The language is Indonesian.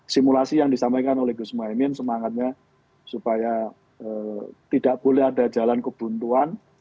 simulasi yang disampaikan oleh gus mohaimin semangatnya supaya tidak boleh ada jalan kebuntuan